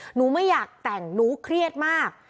หนูไม่อยากแต่งหนูเครียดมาก